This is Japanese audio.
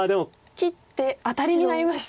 切ってアタリになりました。